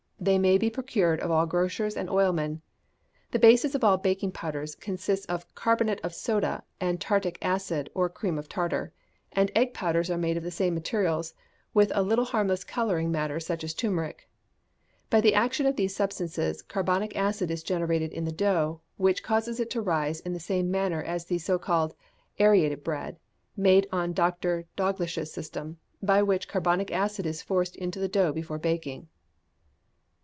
They may be procured of all grocers and oilmen. The basis of all baking powders consists of carbonate of soda and tartaric acid or cream of tartar, and egg powders are made of the same materials, with a little harmless colouring matter such as turmeric. By the action of these substances, carbonic acid is generated in the dough, which causes it to rise in the same manner as the so called "aerated bread" made on Dr. Dauglish's system, by which carbonic acid is forced into the dough before baking.